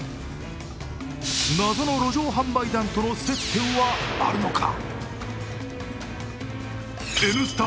謎の路上販売団との接点はあるのか。